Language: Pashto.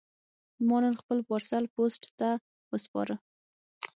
ما نن خپل پارسل پوسټ ته وسپاره.